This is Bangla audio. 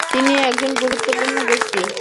তিনি একজন গুরুত্বপূর্ণ ব্যক্তিত্ব।